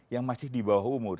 yang masih di bawah umur